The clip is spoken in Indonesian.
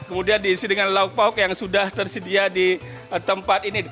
kemudian diisi dengan lauk lauk yang sudah tersedia di tempat ini